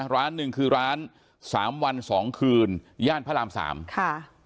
ร้านหนึ่งคือร้านสามวันสองคืนย่านพระรามสามค่ะ